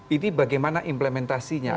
ini bagaimana implementasinya